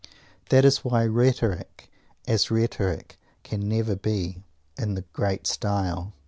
That is why Rhetoric, as Rhetoric, can never be in the great style.